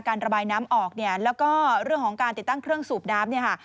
การระบายน้ำออกแล้วก็เรื่องของการติดตั้งเครื่องสูบน้ำ